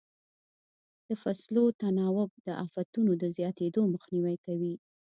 د فصلو تناوب د افتونو د زیاتېدو مخنیوی کوي.